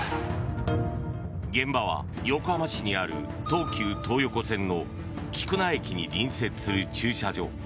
現場は横浜市にある東急東横線の菊名駅に隣接する駐車場。